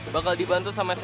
bakal dibantu sama kakaknya